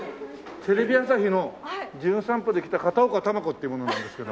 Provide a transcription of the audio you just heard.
テレビ朝日の『じゅん散歩』で来た片岡球子っていう者なんですけど。